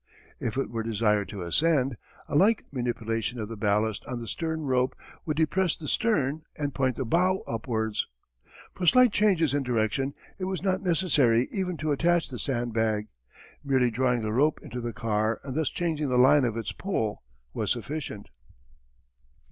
If it were desired to ascend, a like manipulation of the ballast on the stern rope would depress the stern and point the bow upwards. For slight changes in direction it was not necessary even to attach the sand bag. Merely drawing the rope into the car and thus changing the line of its "pull" was sufficient.